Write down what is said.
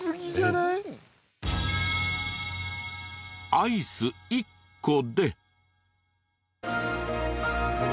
アイス１個で。